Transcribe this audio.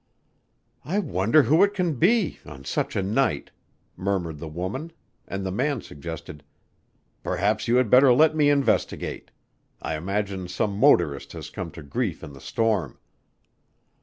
"I wonder who it can be on such a night?" murmured the woman, and the man suggested: "Perhaps you had better let me investigate. I imagine some motorist has come to grief in the storm."